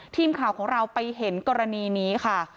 ทีมข่าวของเราไปเห็นกรณีนี้ค่ะ